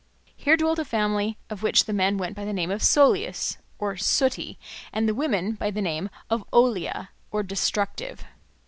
Here dwelt a family of which the men went by the name of Psoloeis or "Sooty," and the women by the name of Oleae or "Destructive."